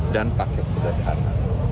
dan paket sederhana